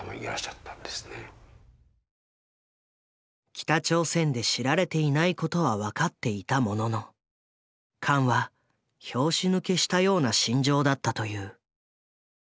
北朝鮮で知られていないことは分かっていたもののカンは拍子抜けしたような心情だったという。